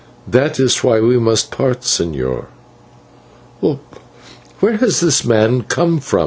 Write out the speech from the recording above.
That is why we must part, señor." "Where has this man come from?"